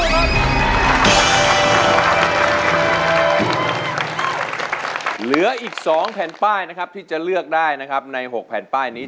เหลืออีก๒แผ่นป้ายนะครับที่จะเลือกได้นะครับใน๖แผ่นป้ายนี้